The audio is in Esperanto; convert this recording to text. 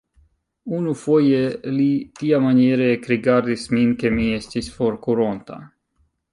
Unufoje li tiamaniere ekrigardis min, ke mi estis forkuronta.